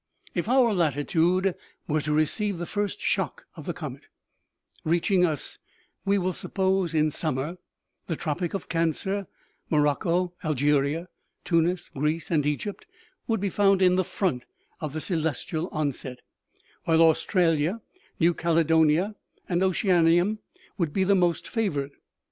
" If our latitude were to receive the first shock of the comet, reaching us, we will suppose, in summer, the tropic of Cancer, Morocco, Algeria, Tunis, Greece and Egypt would be found in the front of the celestial onset, while Australia, New Caledonia and Oceanica would be the most favored.